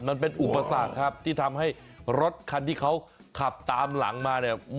มันเป็นอุปสรรคครับที่ทำให้รถคันที่เขาขับตามหลังมาเนี่ย